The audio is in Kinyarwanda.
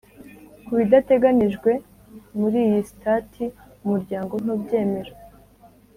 Ku bidateganijwe muri iyi sitati umuryango ntubyemera